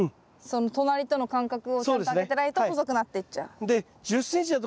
隣との間隔をちゃんと空けてないと細くなっていっちゃう。